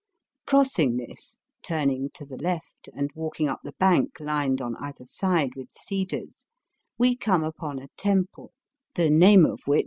Crossing this, turning to the left and walking up the bank lined on either side with cedars, we come upon a temple, the name of which VOL.